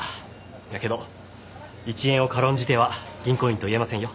だけど１円を軽んじては銀行員と言えませんよ。